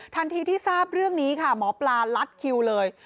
ทันทีที่ทราบเรื่องนี้ค่ะหมอปลาลัดคิวเลย